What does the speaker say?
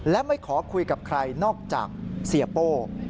และไม่ขอคุยกับใครนอกจากเสียโป้